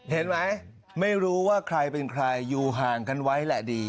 เห็นไหมไม่รู้ว่าใครเป็นใครอยู่ห่างกันไว้แหละดี